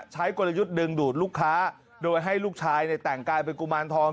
กลยุทธ์ดึงดูดลูกค้าโดยให้ลูกชายแต่งกายเป็นกุมารทอง